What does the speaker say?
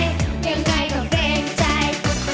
ยังไงก็เกรงใจ